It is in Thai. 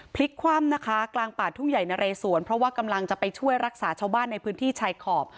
พลิกคว่ำนะคะกลางป่าทุ่งใหญ่นะเรสวนเพราะว่ากำลังจะไปช่วยรักษาชาวบ้านในพื้นที่ชายขอบ